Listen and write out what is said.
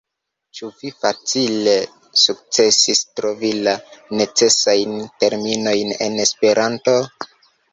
Ĉu vi facile sukcesis trovi la necesajn terminojn en Esperanto?